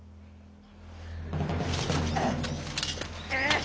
うっ！